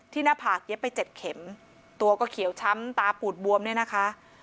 หน้าผากเย็บไปเจ็ดเข็มตัวก็เขียวช้ำตาปูดบวมเนี่ยนะคะ